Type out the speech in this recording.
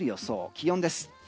気温です。